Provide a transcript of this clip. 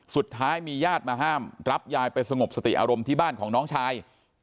สุดท้ายมีญาติมาห้ามรับยายไปสงบสติอารมณ์ที่บ้านของน้องชาย